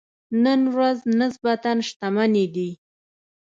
نن ورځ نسبتاً شتمنې دي.